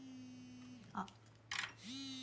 あっ。